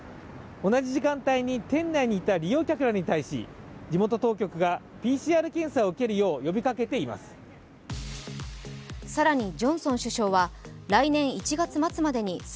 同じ時間帯に店内にいた利用客らに対し地元当局がＰＣＲ検査を受けるよう呼びかけています。